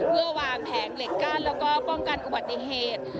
เพื่อวางแผงเหล็กกั้นแล้วก็ป้องกันอุบัติเหตุ